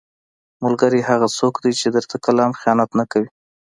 ملګری هغه څوک دی چې درته کله هم خیانت نه کوي.